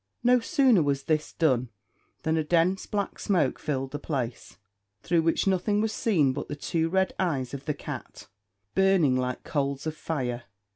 No sooner was this done than a dense black smoke filled the place, through which nothing was seen but the two red eyes of the cat, burning like coals of fire.